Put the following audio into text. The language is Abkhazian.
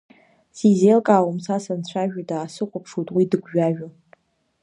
Сизелкаауам са санцәажәо, даасыхәаԥшуеит уи дыгәжәажәо.